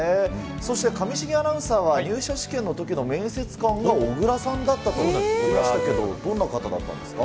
そして、上重アナウンサーは入社試験のときの面接官が小倉さんだったと聞きましたけど、どんな方だったんですか。